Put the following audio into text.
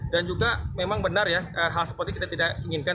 dan juga memang benar ya hal seperti ini kita tidak inginkan